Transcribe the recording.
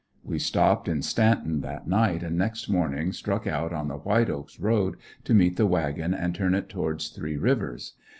We stopped in "Stanton" that night and next morning struck out on the White Oaks road to meet the wagon and turn it towards Three Rivers.